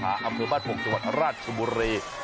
กำเทอบาทพวกจังหวัดร้าชมบุรี